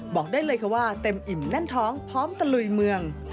บอกได้เลยค่ะว่าเต็มอิ่มแน่นท้องพร้อมตะลุยเมือง